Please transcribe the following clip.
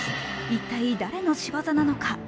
一体、誰の仕業なのか。